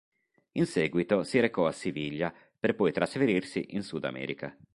In seguito si recò a Siviglia per poi trasferirsi in sud America.